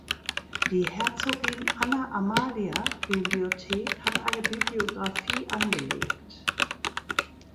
Die Herzogin Anna Amalia Bibliothek hat eine Bibliographie angelegt.